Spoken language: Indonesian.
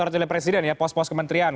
tapi masih berdasarkan parlamentar itu